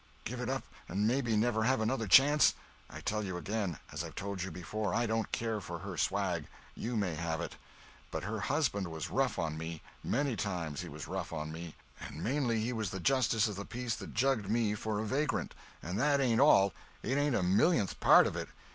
Give it up and maybe never have another chance. I tell you again, as I've told you before, I don't care for her swag—you may have it. But her husband was rough on me—many times he was rough on me—and mainly he was the justice of the peace that jugged me for a vagrant. And that ain't all. It ain't a millionth part of it!